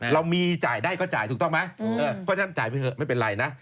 เรามีจ่ายได้ก็จ่ายถูกต้องไหมเพราะฉะนั้นจ่ายไปเถอะไม่เป็นไรนะ